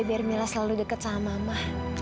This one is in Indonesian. biar mila selalu dekat sama mama